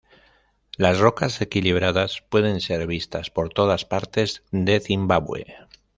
Las Rocas equilibradas pueden ser vistas por todas partes de Zimbabue.